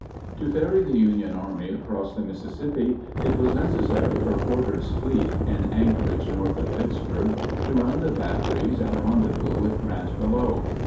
] To ferry the Union Army across the Mississippi, it was necessary for Porter's fleet, in anchorage north of Vicksburg, to run the batteries and rendezvous with Grant below.